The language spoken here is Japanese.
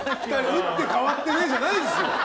打って変わってじゃないですよ！